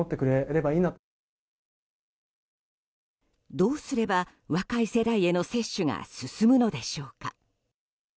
どうすれば若い世代への接種が進むのでしょうか。